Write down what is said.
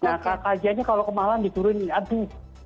nah kajiannya kalau kemalang diturunin aduh